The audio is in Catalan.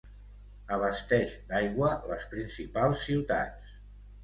Abasteix d'aigua les principals ciutats.